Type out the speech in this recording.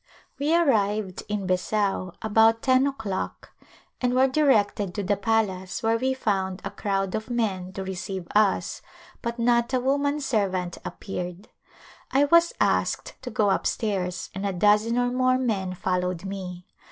We arrived in Besau about ten o'clock and were directed to the palace where we found a crowd of men to receive us but not a woman servant appeared. I [ 290] A Visit to Besau was asked to go up stairs and a dozen or more men followed me.